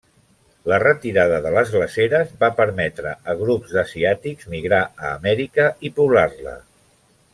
La retirada de les glaceres va permetre a grups d'asiàtics migrar a Amèrica i poblar-la.